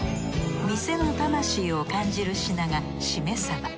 店の魂を感じる品がしめさば。